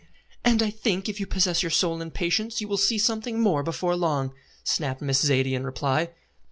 "And I think, if you possess your soul in patience, you will see something more before long," snapped Miss Zaidie in reply.